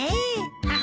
ええ。